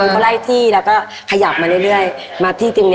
กี่ครั้งอ่ะ